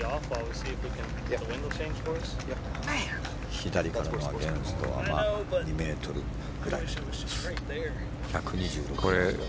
左からのアゲンストは２ｍぐらい。